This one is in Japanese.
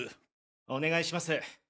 お願いします。